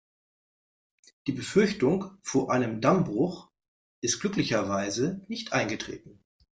Die Befürchtung vor einem Dammbruch ist glücklicherweise nicht eingetreten.